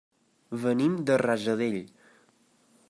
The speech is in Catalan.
Venim de Rajadell.